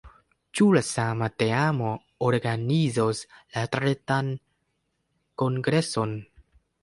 Ĉu la sama teamo organizos la retan kongreson?